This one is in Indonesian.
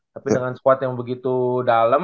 tapi dengan squad yang begitu dalam